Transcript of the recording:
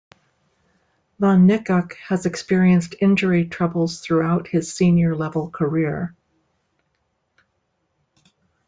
Van Niekerk has experienced injury troubles throughout his senior-level career.